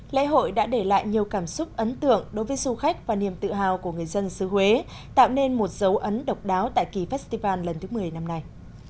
lễ hội đã để lại nhiều cảm xúc ấn tượng đối với du khách và niềm tự hào của người dân xứ huế tạo nên một dấu ấn độc đáo tại kỳ festival lần thứ một mươi năm nay